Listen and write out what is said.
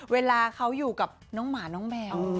เวลาเขาอยู่กับน้องหมาน้องแมว